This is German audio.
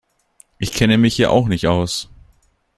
Ich kenne mich hier auch nicht aus.